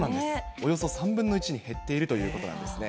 およそ３分の１に減っているということなんですね。